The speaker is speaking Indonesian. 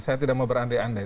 saya tidak mau berandai andai